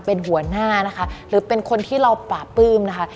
เป็นหัวหน้านะคะหรือเป็นคนที่เราป่าปื้มนะคะ